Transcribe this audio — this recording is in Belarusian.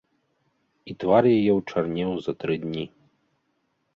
І твар яе ўчарнеў за тры дні.